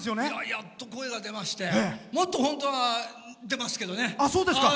やっと声が出ましてもっと本当は出ますけどね。